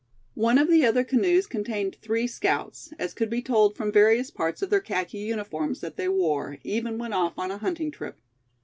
One of the other canoes contained three scouts, as could be told from various parts of their khaki uniforms that they wore, even when off on a hunting trip.